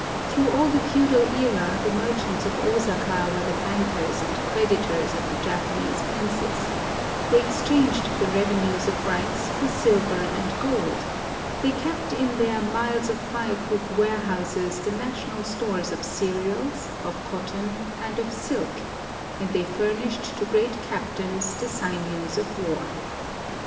Through all the feudal era, the merchants of Osaka were the bankers and creditors of the Japanese princes : they ex changed the revenues of rice for silver and gold; — they kept in their miles of fireproof warehouses the national stores of cereals, of cotton, and of silk ;— and they furnished to great captains the sinews of war.